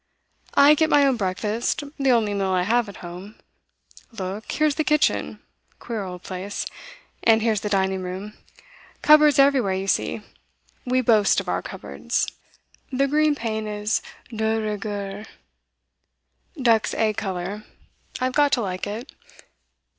'I get my own breakfast the only meal I have at home. Look, here's the kitchen, queer old place. And here's the dining room. Cupboards everywhere, you see; we boast of our cupboards. The green paint is de rigueur; duck's egg colour; I've got to like it.